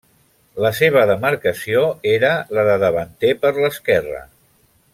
La seva demarcació era la de davanter per l'esquerra.